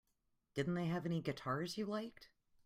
Didn't they have any guitars you liked?